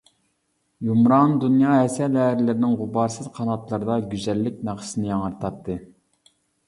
يۇمران دۇنيا ھەسەل ھەرىلىرىنىڭ غۇبارسىز قاناتلىرىدا گۈزەللىك ناخشىسىنى ياڭرىتاتتى.